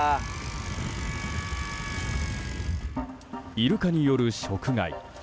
イルカによる食害